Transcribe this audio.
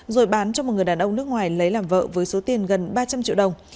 rồi bán cho một người đàn ông nước ngoài lấy làm vợ với số tiền gần ba trăm linh triệu đồng